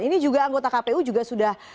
ini juga anggota kpu juga sudah